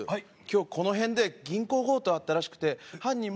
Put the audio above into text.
今日この辺で銀行強盗あったらしくて犯人